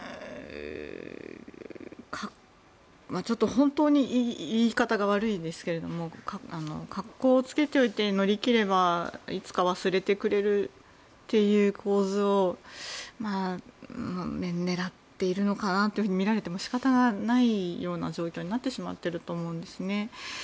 本当に言い方が悪いですけどもかっこつけておいて乗り切ればいつか忘れてくれるという構図を狙っているのかなと見られても仕方がないような状況になってしまっていると思うんです。